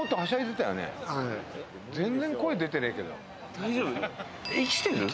大丈夫？